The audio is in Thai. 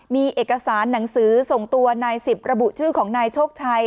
มีเอกสารหนังสือส่งตัวนายสิบระบุชื่อของนายโชคชัย